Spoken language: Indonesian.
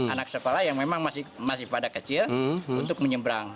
anak sekolah yang memang masih pada kecil untuk menyeberang